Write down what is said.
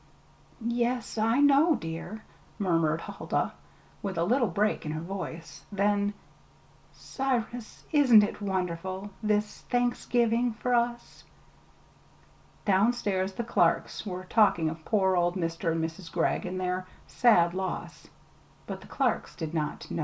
"Yes, I know, dear," murmured Huldah, with a little break in her voice. Then: "Cyrus, ain't it wonderful this Thanksgiving, for us?" Downstairs the Clarks were talking of poor old Mr. and Mrs. Gregg and their "sad loss;" but the Clarks did not know.